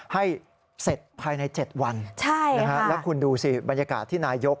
ให้เสร็จภายใน๗วันแล้วคุณดูสิบรรยากาศที่นายก